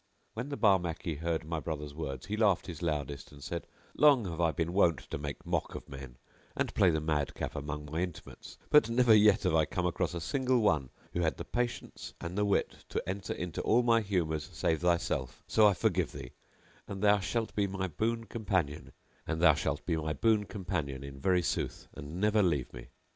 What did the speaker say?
When the Barmaki heard my brother's words he laughed his loudest and said, "Long have I been wont to make mock of men and play the madcap among my intimates, but never yet have I come across a single one who had the patience and the wit to enter into all my humours save thyself: so I forgive thee, and thou shalt be my boon companion in very sooth and never leave me."